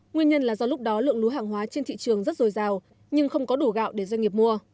nguyên nhân là do lúc đó lượng lúa hàng hóa trên thị trường rất dồi dào nhưng không có đủ gạo để doanh nghiệp mua